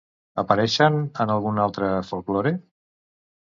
Apareixen en algun altre folklore?